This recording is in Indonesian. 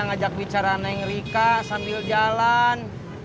nggak ngajak bicara neng rika sambil jalan